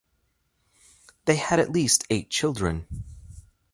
They had at least eight children.